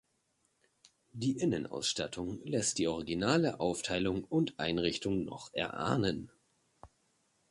Die Innenausstattung lässt die originale Aufteilung und Einrichtung noch erahnen.